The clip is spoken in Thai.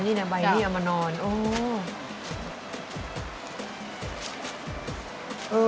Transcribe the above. คือเราขี้อ่อนกับใบของค่ะ